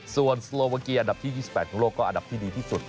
ส่วนสโลวาเกียอันดับที่๒๘ของโลกก็อันดับที่ดีที่สุด